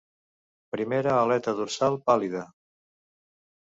Primera aleta dorsal pàl·lida.